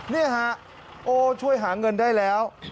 นี่ฮะโอ้ช่วยหาเงินได้แล้ว